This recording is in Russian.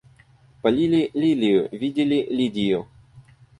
Полили лилию, видели Лидию.